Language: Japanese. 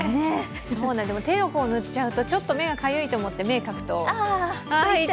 手の甲、塗っちゃうと、ちょっと目がかゆいと思って目かくと、あ、痛い！